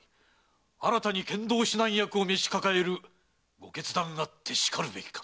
新たに剣道指南役を召し抱えるご決断あってしかるべきかと。